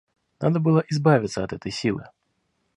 Надо было избавиться от этой силы.